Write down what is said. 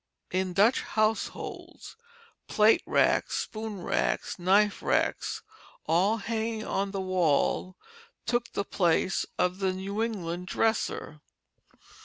In Dutch households plate racks, spoon racks, knife racks, all hanging on the wall, took the place of the New England dresser.